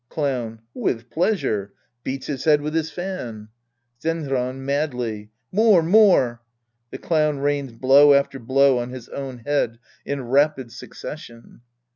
Clown. With pleasure. {Beats hi" head with his fan!) Zenran {madly). More, more. {^he Clown rains blow after blow on his own head in rapid succession!)